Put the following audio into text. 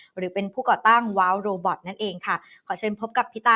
หรือเป็นผู้ก่อตั้งว้าวโรบอตนั่นเองค่ะขอเชิญพบกับพี่ตา